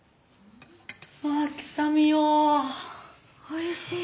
おいしい。